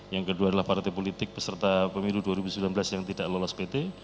yang kedua adalah partai politik peserta pemilu dua ribu sembilan belas yang tidak lolos pt